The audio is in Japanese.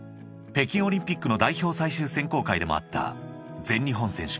［北京オリンピックの代表最終選考会でもあった］